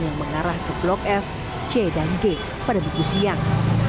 yang mengarah ke blok f c dan g pada minggu siang